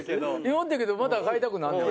持ってるけどまた買いたくなんねん。